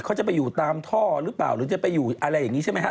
เขาจะไปอยู่ตามท่อหรือเปล่าหรือจะไปอยู่อะไรอย่างนี้ใช่ไหมฮะ